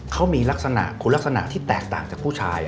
เขามีลักษณะคุณลักษณะที่แตกต่างจากผู้ชาย